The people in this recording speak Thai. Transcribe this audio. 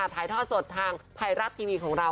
ถ่ายทอดสดทางไทยรัฐทีวีของเรา